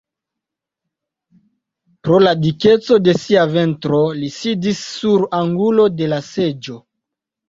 Pro la dikeco de sia ventro li sidis sur angulo de la seĝo.